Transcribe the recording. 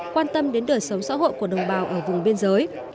quan tâm đến đời sống xã hội của đồng bào ở vùng biên giới